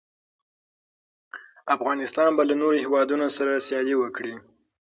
افغانستان به له نورو هېوادونو سره سیالي وکړي.